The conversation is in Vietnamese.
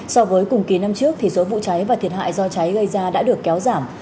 so với cùng kỳ năm trước thì số vụ cháy và thiệt hại do cháy gây ra đã được kéo giảm